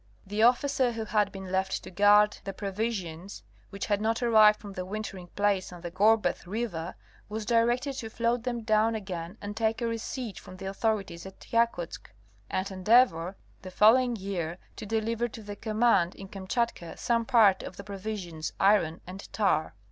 The officer who had been left to guard the provisions which had not arrived from the wintering place on the Gorbeh river was directed to float them down again and take a receipt from the authorities at Ya kutsk and endeavor, the following year, to deliver to the com mand in Kamchatka some part of the provisions, iron and tar.